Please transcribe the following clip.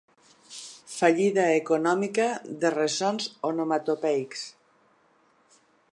Fallida econòmica de ressons onomatopeics.